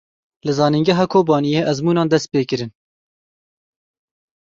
Li Zanîngeha Kobaniyê ezmûnan dest pê kirin.